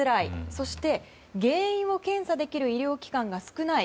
そして、原因を検査できる医療機関が少ない。